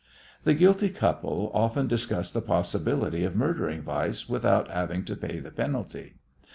The guilty couple often discussed the possibility of murdering Weiss without having to pay the penalty.